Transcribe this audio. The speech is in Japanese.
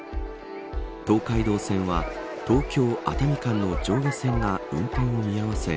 東海道線は東京、熱海間の上下線が運転を見合わせ